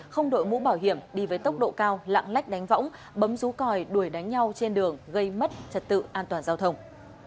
không đội mũ bảo hiểm đi với tốc độ cao lạng lách đánh võng bấm rú còi đuổi đánh nhau trên đường gây mất trật tự an toàn giao thông